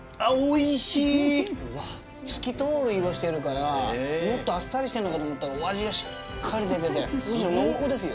透き通る色してるからもっとあっさりしてんのかと思ったらお味がしっかり出ててむしろ濃厚ですよ。